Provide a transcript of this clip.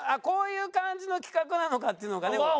こういう感じの企画なのかっていうのがね。